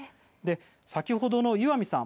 先ほどの岩見さん